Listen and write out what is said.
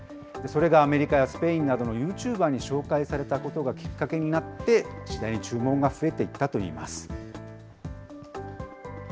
それがアメリカやスペインなどのユーチューバーに紹介されたことがきっかけになって、次第に注文が増えていったといいます。